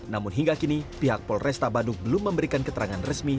namun hingga kini pihak polresta bandung belum memberikan keterangan resmi